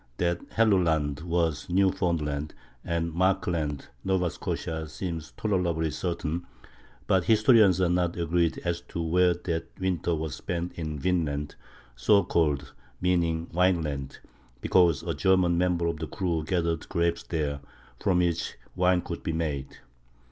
That "Helluland" was Newfoundland and "Markland" Nova Scotia seems tolerably certain; but historians are not agreed as to where that winter was spent in "Vinland," so called (meaning "Wineland") because a German member of the crew gathered grapes there, from which wine could be made.